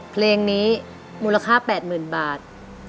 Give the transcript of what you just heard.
เพลงนี้มูลค่า๘๐๐๐บาท